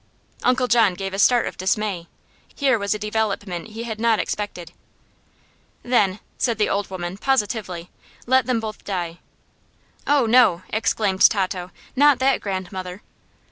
Uncle John gave a start of dismay. Here was a development he had not expected. "Then," said the old woman, positively, "let them both die." "Oh, no!" exclaimed Tato. "Not that, grandmother!"